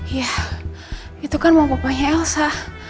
iya itu kan mau bapaknya elsa